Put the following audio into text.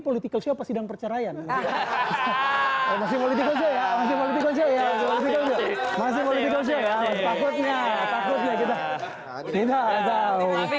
politik kecewa sidang perceraian hahaha masih politik politik politik politik politik politik